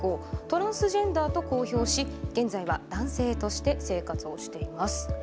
トランスジェンダーと公表し現在は男性として生活をしています。